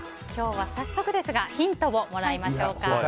今日は早速ですがヒントをもらいましょうか。